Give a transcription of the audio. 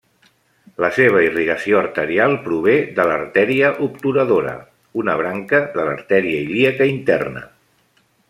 La seva irrigació arterial prové de l'artèria obturadora, una branca de l'artèria ilíaca interna.